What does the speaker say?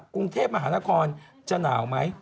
กรุงเทพมหานครจะหนาวไหม